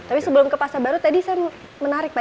tapi sebelum ke pasar baru tadi saya menarik pak